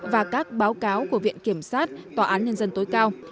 và các báo cáo của viện kiểm sát tòa án nhân dân tối cao